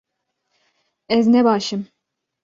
Ez ne baş im